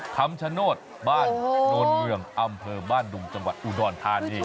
คำชโนธบ้านโนนเมืองอำเภอบ้านดุงจังหวัดอุดรธานี